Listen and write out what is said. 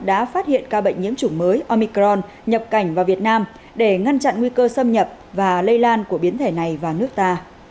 đã phát hiện ca bệnh nhiễm chủng mới omicron nhập cảnh vào việt nam để ngăn chặn nguy cơ xâm nhập và lây lan của biến thể này vào nước ta